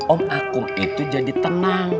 om aku itu jadi tenang